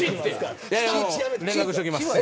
連絡しておきます。